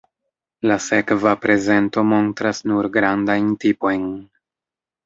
La sekva prezento montras nur grandajn tipojn.